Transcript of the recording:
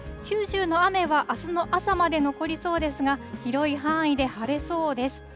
九州の雨はあすの朝まで残りそうですが、広い範囲で晴れそうです。